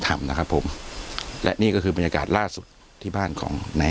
ทำนะครับผมและนี่ก็คือบรรยากาศล่าสุดที่บ้านของใน